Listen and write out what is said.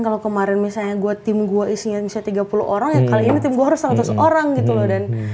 kalo bella misalnya tim gue isinya tiga puluh orang ya dua kada ini tim gue harus seratus orang gitu loh